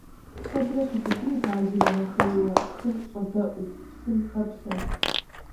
Куэдрэ щытыфынут ар зимыгъэхъейуэ хым щӏэдэӏуу, псым хэплъэу.